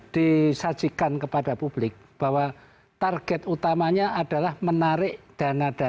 disajikan kepada publik bahwa target utamanya adalah menarik dana dana